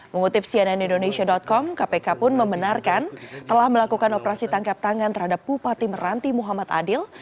mengutip cnn indonesia com kpk pun membenarkan telah melakukan operasi tangkap tangan terhadap bupati meranti muhammad adil